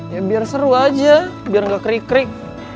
ya biar seru aja biar gak krik krik